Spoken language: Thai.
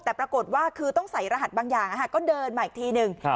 แต่ปรากฏว่าคือต้องใส่รหัสบางอย่างก็เดินมาอีกทีหนึ่ง